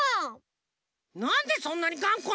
なんでそんなにがんこなのさ！